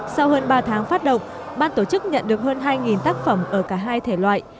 sau hơn ba tháng phát động ban tổ chức nhận được hơn hai tác phẩm ở cả hai thể loại